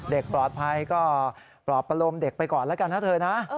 เด็กปลอดภัยก็ปลอบประโลมเด็กไปก่อนแล้วกันนะเธอนะ